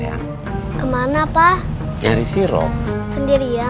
yang mudah allahnya ala kadarnya